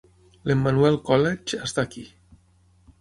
L"Emmanuel College està aquí.